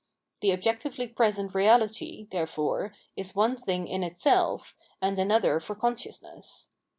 The objectively present realiiy, therefore, is one thing in itself, and another for consciousness.